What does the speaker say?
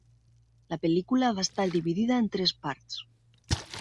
La pel·lícula va estar dividida en tres parts.